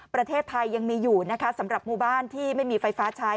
ประเทศไทยยังมีอยู่นะคะสำหรับหมู่บ้านที่ไม่มีไฟฟ้าใช้